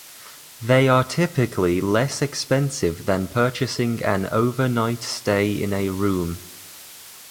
They are typically less expensive than purchasing an overnight stay in a room.